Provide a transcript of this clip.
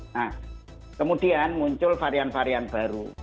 nah kemudian muncul varian varian baru